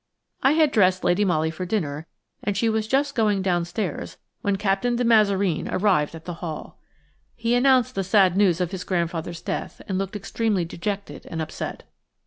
I had dressed Lady Molly for dinner, and she was just going downstairs when Captain de Mazareen arrived at the Hall. He announced the sad news of his grandfather's death and looked extremely dejected and upset.